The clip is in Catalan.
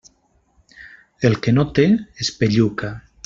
El que no té, espelluca.